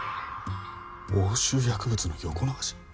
押収薬物の横流し？